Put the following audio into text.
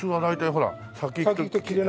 ほら。